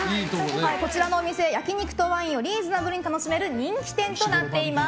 こちらのお店焼き肉とワインをリーズナブルに楽しめる人気店となっています。